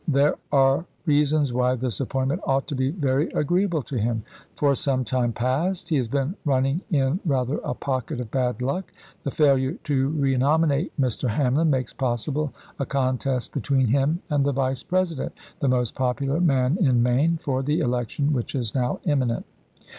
There are reasons why this appointment ought to be very agreeable to him. For some time past he has been running in rather a pocket of bad luck; the failure to renominate Mr. Hamlin makes possible a contest between him and the Vice President, the most popular man in Maine, for the election which is now imminent.